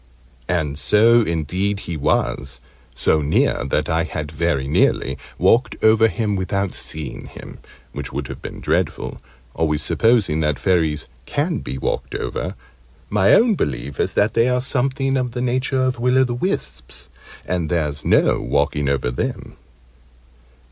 And so indeed he was so near that I had very nearly walked over him without seeing him; which would have been dreadful, always supposing that Fairies can be walked over my own belief is that they are something of the nature of Will o' the wisps: and there's no walking over them.